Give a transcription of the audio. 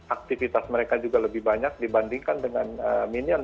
aktivitas mereka juga lebih banyak dibandingkan dengan minion